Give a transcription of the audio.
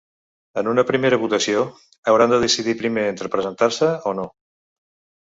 En una primera votació, hauran de decidir primer entre presentar-se o no.